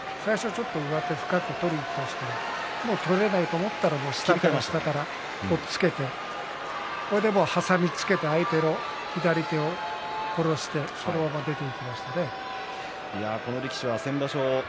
下から下から最初は深く取りにいきましたが取れないと思ったら下から下から押っつけて挟みつけて相手の左手を殺してそのまま出てきましたね。